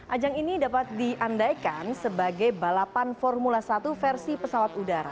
ajang ini dapat diandaikan sebagai balapan formula satu versi pesawat udara